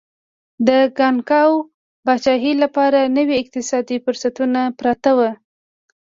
د کانګو پاچاهۍ لپاره نوي اقتصادي فرصتونه پراته وو.